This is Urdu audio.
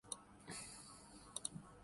جان بوجھ کر ڈیتھ ریٹ بڑھایا جا رہا ہے